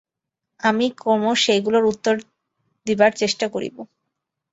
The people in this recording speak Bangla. আমি ক্রমশ সেইগুলির উত্তর দিবার চেষ্টা করিব।